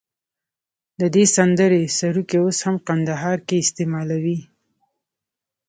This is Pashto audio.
د دې سندرې سروکي اوس هم کندهار کې استعمالوي.